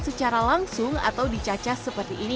secara langsung atau dicacah seperti ini